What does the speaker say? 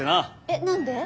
えっ何で？